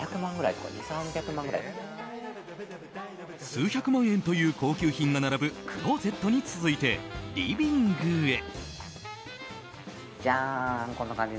数百万円という高級品が並ぶクローゼットに続いてリビングへ。